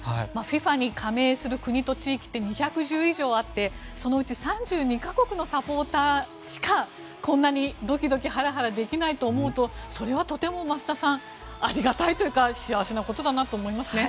ＦＩＦＡに加盟する国と地域って２１０以上あってそのうち３２か国のサポーターしかこんなにドキドキハラハラできないと思うとそれはとても増田さん、ありがたいというか幸せなことだと思いますね。